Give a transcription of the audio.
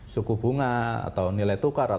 suku bunga atau nilai tukar